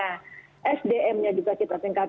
yang kedua sdm nya juga kita tingkatkan